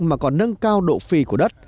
mà còn nâng cao độ phi của đất